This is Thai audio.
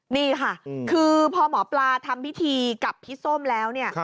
นี่ค่ะคือพอหมอปลาทำพิธีกับพี่ส้มแล้วเนี่ย